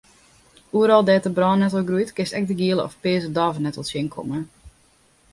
Oeral dêr't de brannettel groeit kinst ek de giele of pearse dôvenettel tsjinkomme.